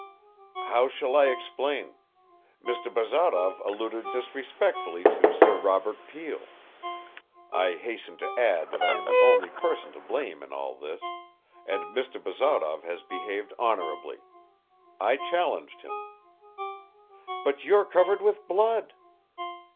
"How shall I explain? Mr. Bazarov alluded disrespectfully to Sir Robert Peel. I hasten to add that I am the only person to blame in all this, and Mr. Bazarov has behaved honorably. I challenged him." "But you're covered with blood!"